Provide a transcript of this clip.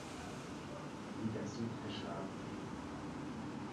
Liga Süd geschlagen geben.